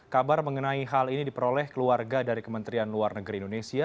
kabar mengenai hal ini diperoleh keluarga dari kementerian luar negeri indonesia